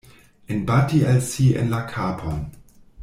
Enbati al si en la kapon.